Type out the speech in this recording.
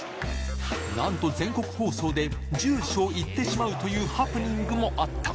なんと、全国放送で住所を言ってしまうというハプニングもあった。